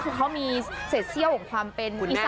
คือเขามีเสร็จเสี้ยวของความเป็นอิสาน